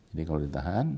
ini kalau ditahan